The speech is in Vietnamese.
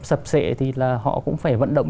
sập sệ thì là họ cũng phải vận động